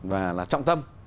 và là trọng tâm